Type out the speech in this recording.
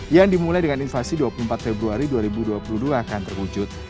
yang dimulai dengan invasi dua puluh empat februari dua ribu dua puluh dua akan terwujud